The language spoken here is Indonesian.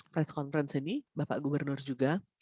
press conference ini bapak gubernur juga